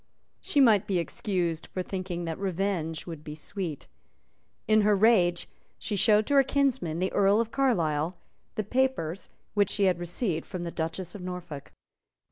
She might be excused for thinking that revenge would be sweet. In her rage she showed to her kinsman the Earl of Carlisle the papers which she had received from the Duchess of Norfolk.